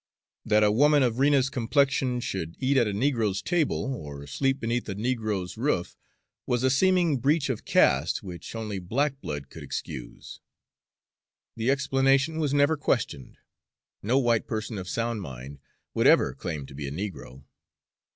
That a woman of Rena's complexion should eat at a negro's table, or sleep beneath a negro's roof, was a seeming breach of caste which only black blood could excuse. The explanation was never questioned. No white person of sound mind would ever claim to be a negro.